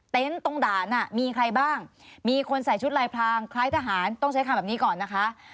ตรงด่านมีใครบ้างมีคนใส่ชุดลายพรางคล้ายทหารต้องใช้คำแบบนี้ก่อนนะคะ